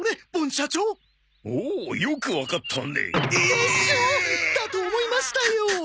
でしょ？だと思いましたよ。